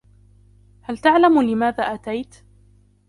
هل تعلم لماذا أتيت؟